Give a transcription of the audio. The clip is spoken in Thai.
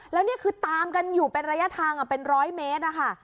แล้วนี่คือตามกันอยู่เป็นระยะทางเป็นร้อยเมตรนะคะ